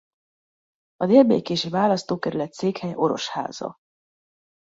A dél-békési választókerület székhelye Orosháza.